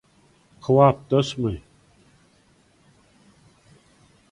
Kybapdaşmy?